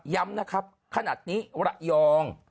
ย้ำนะครับขนาดนี้ระยอง